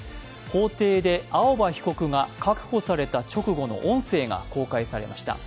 法廷で青葉被告が確保された直後の音声が公開されました。